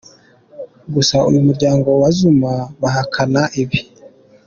Gusa uyu muryango na Zuma bahakana ibi.